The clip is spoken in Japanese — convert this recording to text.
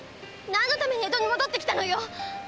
何のために江戸に戻ってきたのよ！